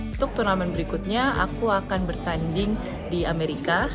untuk turnamen berikutnya aku akan bertanding di amerika